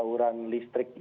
dan bauran listrik yang banyak